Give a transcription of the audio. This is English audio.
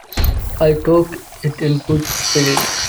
I took it in good spirit.